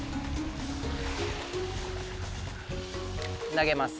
投げます。